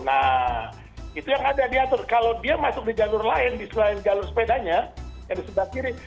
nah itu yang ada diatur kalau dia masuk di jalur lain di selain jalur sepedanya yang di sebelah kiri